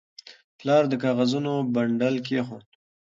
پلار د کاغذونو بنډل کېښود.